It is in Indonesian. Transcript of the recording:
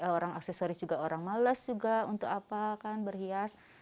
orang aksesoris juga orang males juga untuk apa kan berhias